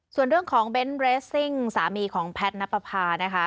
ส่วนเรื่องของเบนท์เรสซิ่งสามีของแพทย์นับประพานะคะ